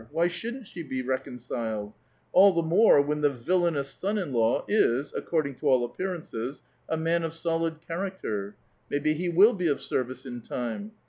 Why shouldn't she be reconciled ? All the more when the villanous son in law is, according to all appearances, a man of solid charac ter. Maybe he will be of service in time.